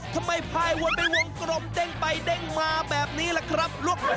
ทำไมภายวนเป็นวงกรมเต้งไปเต้งมาแบบนี้แหละครับลูกเฮ้ย